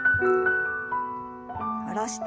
下ろして。